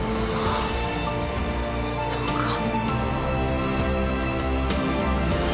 あそうか。